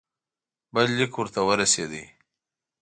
بل لیک ورته ورسېد.